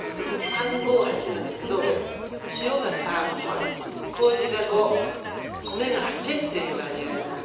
３５８なんですけど塩が３麹が５米が８っていう割合なんですね。